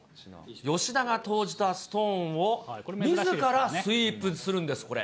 吉田が投じたストーンをみずからスイープするんです、これ。